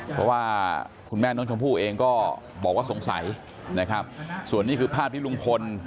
เพราะว่าคุณแม่น้องชมพู่เองก็บอกว่าสงสัยนะครับส่วนนี้คือภาพที่ลุงพล